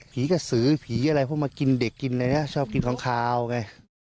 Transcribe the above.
กระสือผีอะไรพวกมากินเด็กกินอะไรนะชอบกินของขาวไง